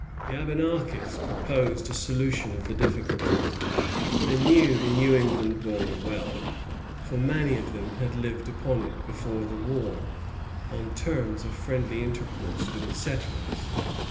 The Abenakis proposed a solution of the difficulty. They knew the New England border well, for many of them had lived upon it before the war, on terms of friendly intercourse with the settlers.